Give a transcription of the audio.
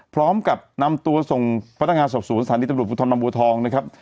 พร้อมกับนำตัวส่งพัฒนางานส่วนสถานีตำรวจภูมิธรรมบวทองนะครับ